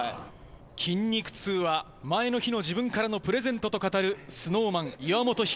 筋肉痛は前の日の自分からのプレゼントと語る、ＳｎｏｗＭａｎ・岩本照。